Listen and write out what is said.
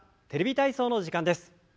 「テレビ体操」の時間です。